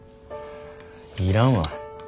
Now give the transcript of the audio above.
要らんわ。